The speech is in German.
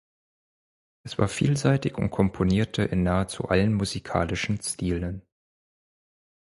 Es war vielseitig und komponierte in nahezu allen musikalischen Stilen.